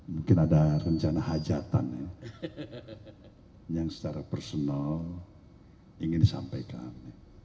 mungkin ada rencana hajatan yang secara personal ingin disampaikan